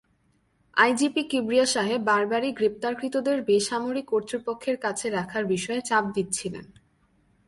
IGP Kibria সাহেব বারবারই গ্রেপ্তারকৃতদের বেসামরিক কর্তৃপক্ষের কাছে রাখার বিষয়ে চাপ দিচ্ছিলেন।